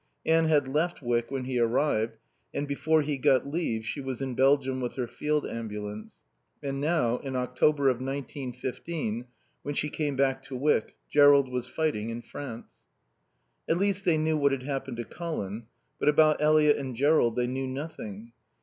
Anne had left Wyck when he arrived; and before he got leave she was in Belgium with her Field Ambulance. And now, in October of nineteen fifteen, when she came back to Wyck, Jerrold was fighting in France. At least they knew what had happened to Colin; but about Eliot and Jerrold they knew nothing.